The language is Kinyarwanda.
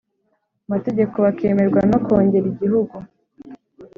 mategeko bakemerwa na Kongere y Igihugu